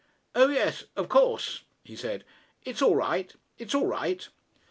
'O, yes; of course,' he said. 'It's all right. It's all right.'